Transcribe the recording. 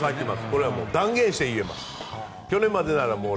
これは断言して言えます。